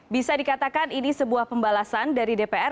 bisa dikatakan ini sebuah pembalasan dari dpr